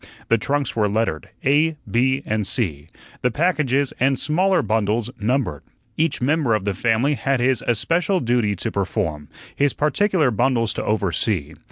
The trunks were lettered, A, B, and C, the packages and smaller bundles numbered. Each member of the family had his especial duty to perform, his particular bundles to oversee.